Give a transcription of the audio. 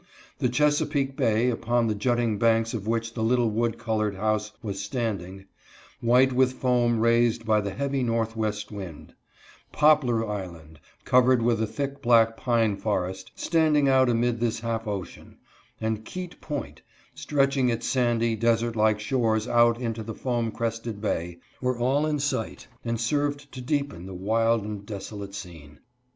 The Chesapeake bay, upon the jutting banks of which the little wood colored house was standing, white with foam raised by the heavy northwest wind ; Poplar Island, covered with a thick black pine forest, standing out amid this half ocean ; and Keat Point, stretching its sandy, desert like shores out into the foam crested bay, were all in sight, and served to deepen the wild and desolate scene.